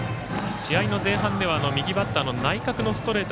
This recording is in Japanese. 試合の前半では右バッターの内角のストレート。